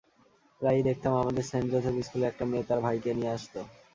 প্রায়ই দেখতাম আমাদের সেন্ট যোসেফ স্কুলে একটা মেয়ে তার ভাইকে নিয়ে আসত।